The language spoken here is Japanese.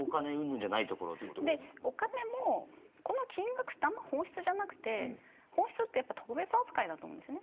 お金も、この金額ってあまり本質じゃなくて本質は特別扱いだと思うんです。